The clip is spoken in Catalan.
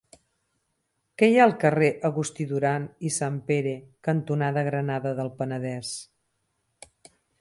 Què hi ha al carrer Agustí Duran i Sanpere cantonada Granada del Penedès?